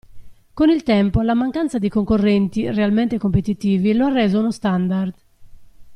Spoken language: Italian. Con il tempo la mancanza di concorrenti realmente competitivi lo ha reso uno standard.